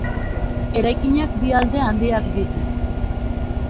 Eraikinak bi alde handiak ditu.